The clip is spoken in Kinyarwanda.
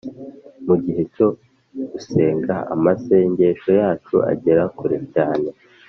Mu gihe cyo gusenga ,amase ngesho yacu agera kure cyane